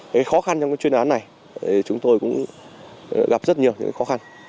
cái khó khăn trong cái chuyên án này chúng tôi cũng gặp rất nhiều những khó khăn